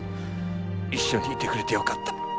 一緒にいてくれてよかった。